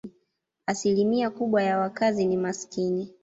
Asilimia kubwa ya wakazi ni maskini.